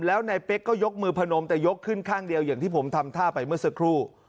แล้วนายเป๊กก็ยกมือพนมแต่ยกขึ้นข้างเดียวอย่างที่ผมทำท่าไปเมื่อสักครู่